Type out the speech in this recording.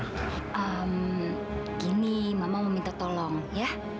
hmm gini mama mau minta tolong ya